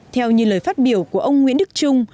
theo như lời phát biểu của ông nguyễn đức trung